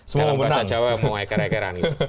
semua mau mau apa dalam bahasa jawa mau eker ekeran gitu